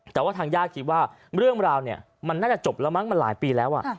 แต่ว่าทางญาติคิดว่าเรื่องราวเนี่ยมันน่าจะจบแล้วมั้งมันหลายปีแล้ว